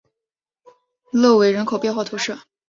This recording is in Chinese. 勒韦人口变化图示